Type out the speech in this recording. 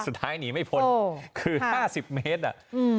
สุดท้ายหนีไม่พ้นโอ้คือห้าสิบเมตรอ่ะอืม